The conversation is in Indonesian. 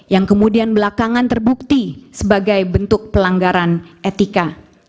yang kemudian belakangan terbukti sebagai bentuk pelanggaran etika